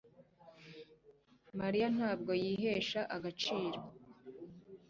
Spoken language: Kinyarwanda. Mariya ntabwo yihesha agaciro